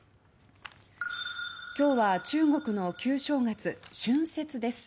今日は中国の旧正月、春節です。